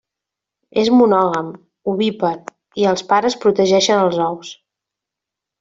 És monògam, ovípar i els pares protegeixen els ous.